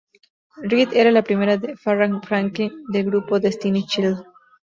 Reed era la prima de Farrah Franklin, del grupo Destiny's Child.